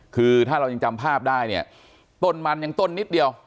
คือถ้าเรายังจำภาพได้เนี่ยต้นมันยังต้นนิดเดียว